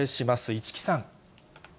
市來さん。